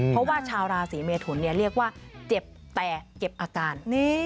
เพราะว่าชาวราศีเมทุนเรียกว่าเจ็บแต่เก็บอาการ